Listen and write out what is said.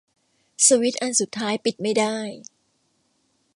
สวิตซ์อันสุดท้ายปิดไม่ได้